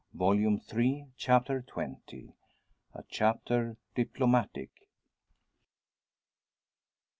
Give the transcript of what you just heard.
Volume Three, Chapter XX. A CHAPTER DIPLOMATIC.